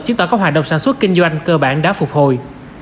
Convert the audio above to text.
chứng tỏ các hoạt động sản xuất kinh doanh cơ bản đã phục hồi